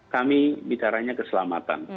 kami bicaranya keselamatan